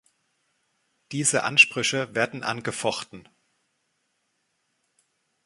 Diese Ansprüche werden angefochten.